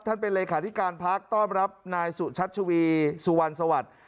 เป็นเลขาธิการพักต้อนรับนายสุชัชวีสุวรรณสวัสดิ์